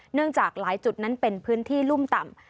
จากหลายจุดนั้นเป็นพื้นที่รุ่มต่ำ